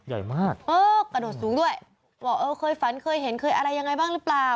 ใหญ่มากเออกระโดดสูงด้วยบอกเออเคยฝันเคยเห็นเคยอะไรยังไงบ้างหรือเปล่า